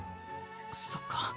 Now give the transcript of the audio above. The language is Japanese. そっか。